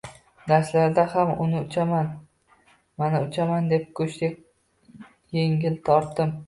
Darslarda ham ana uchaman-mana uchaman deb qushdek engil o`tirdim